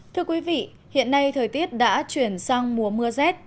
thưa quý vị hiện nay thời tiết đã chuyển sang mùa mưa rét